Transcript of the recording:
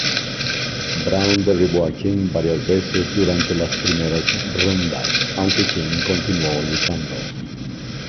Brown derribó a King varias veces durante las primeras rondas, aunque King continuó luchando.